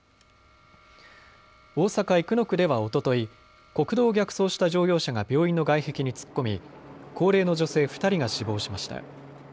大阪生野区ではおととい国道を逆走した乗用車が病院の外壁に突っ込み高齢の女性２人が死亡しました。